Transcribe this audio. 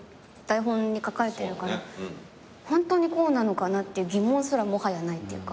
台本に書かれてるからホントにこうなのかなっていう疑問すらもはやないっていうか。